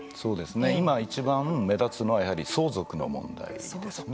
今いちばん目立つのはやはり相続の問題ですね。